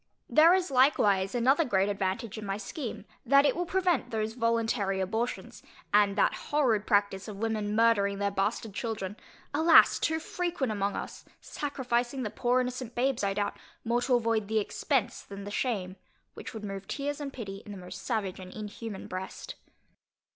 There is likewise another great advantage in my scheme, that it will prevent those voluntary abortions, and that horrid practice of women murdering their bastard children, alas! too frequent among us, sacrificing the poor innocent babes, I doubt, more to avoid the expence than the shame, which would move tears and pity in the most savage and inhuman breast.